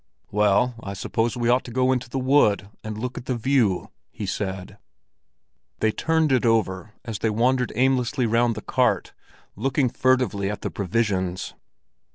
"Well, I suppose we ought to go into the wood and look at the view," he said. They turned it over as they wandered aimlessly round the cart, looking furtively at the provisions.